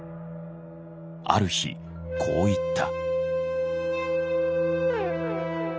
ある日こう言った。